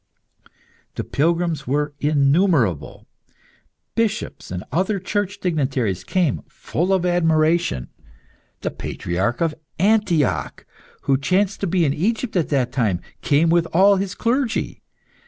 The pilgrims were innumerable. Bishops and other Church dignitaries, came, full of admiration. The Patriarch of Antioch, who chanced to be in Egypt at that time, came with all his clergy.